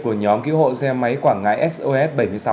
của nhóm cứu hộ xe máy quảng ngãi sos bảy mươi sáu